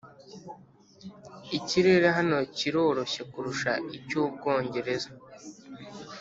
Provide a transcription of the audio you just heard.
ikirere hano kiroroshye kurusha icy'ubwongereza.